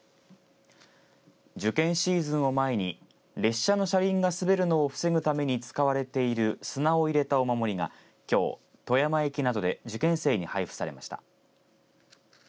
受験シーズンを前に列車の車輪が滑るのを防ぐために使われている砂を入れたお守りがきょう、富山駅などで受験生に配布されました。